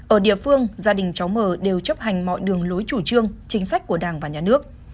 ở địa phương gia đình cháu mờ đều chấp hành mọi đường lối chủ trương chính sách của đảng và nhà nước